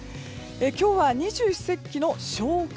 今日は二十四節気の小寒。